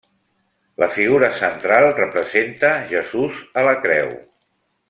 La figura central representa Jesús a la creu.